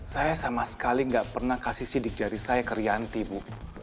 saya sama sekali nggak pernah kasih sidik jari saya ke rianti bu